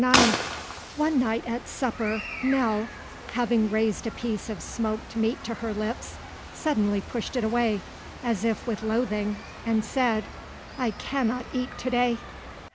IX One night at supper Nell, having raised a piece of smoked meat to her lips, suddenly pushed it away, as if with loathing, and said: "I cannot eat to day."